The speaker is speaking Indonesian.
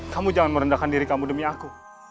kamu jangan merendahkan diri kamu demi aku